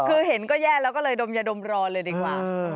คือเห็นก็แย่แล้วก็เลยดมยาดมรอเลยดีกว่า